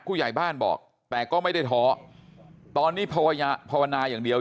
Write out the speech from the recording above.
ผู้ใหญ่บ้านบอกแต่ก็ไม่ได้ท้อตอนนี้ภาวนาอย่างเดียว